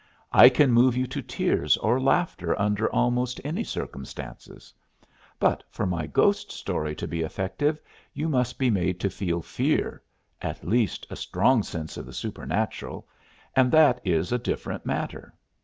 I can move you to tears or laughter under almost any circumstances. But for my ghost story to be effective you must be made to feel fear at least a strong sense of the supernatural and that is a difficult matter.